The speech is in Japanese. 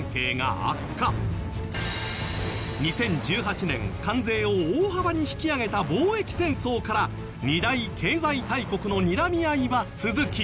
２０１８年関税を大幅に引き上げた貿易戦争から二大経済大国のにらみ合いは続き。